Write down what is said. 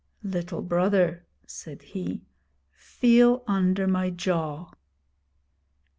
'Little Brother,' said he, 'feel under my jaw.'